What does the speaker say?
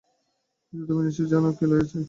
কিন্তু তুমি নিশ্চয় জান কে লইয়াছে?